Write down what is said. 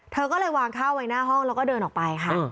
เธอก็เลยวางข้าวไว้หน้าห้องแล้วก็เดินออกไปค่ะ